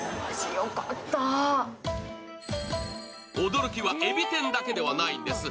驚きはえび天だけではないんです。